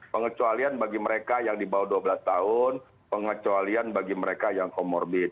pengecualian bagi mereka yang di bawah dua belas tahun pengecualian bagi mereka yang comorbid